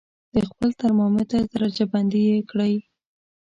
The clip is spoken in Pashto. د خپل ترمامتر درجه بندي یې کړئ.